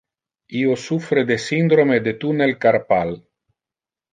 Io suffre de syndrome de tunnel carpal.